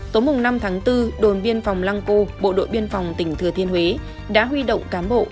tối năm tháng bốn đồn biên phòng lăng cô bộ đội biên phòng tỉnh thừa thiên huế đã huy động cán bộ